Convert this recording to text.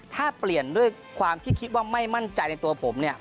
ถ้าเปลี่ยนด้วยความที่คิดว่าไม่มั่นใจในตัวผมเนี่ย